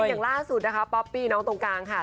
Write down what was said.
อย่างล่าสุดนะคะป๊อปปี้น้องตรงกลางค่ะ